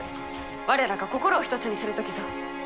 我らが心を一つにする時ぞ。